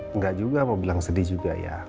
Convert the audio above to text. enggak juga mau bilang sedih juga ya